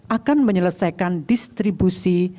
akan menyelesaikan distribusi